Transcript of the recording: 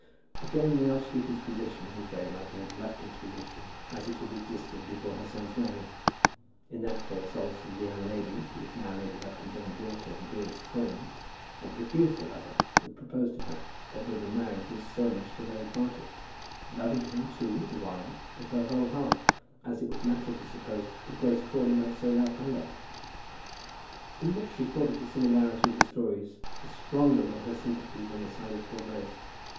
Again the archdeacon's position was very like Lady Lufton's position, as it had existed before her son's marriage. In that case also the young lady, who was now Lady Lufton's own daughter and dearest friend, had refused the lover who proposed to her, although the marriage was so much to her advantage, loving him, too, the while, with her whole heart, as it was natural to suppose that Grace Crawley might so love her lover. The more she thought of the similarity of the stories, the stronger were her sympathies on the side of poor Grace.